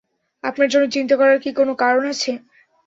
আপনার জন্য চিন্তা করার কি কোন কারণ আছে?